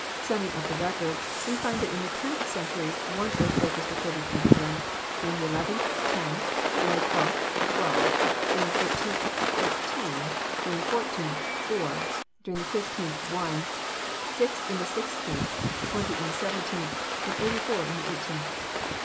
Summing up the record, we find that in the 10th century one earthquake is recorded in England; during the 11th, ten; during the 12th, twelve; during the 13th, thirteen; during the 14th, four; during the 15th, one; six in the 16th; twenty in the 17th, and eighty four in the eighteenth.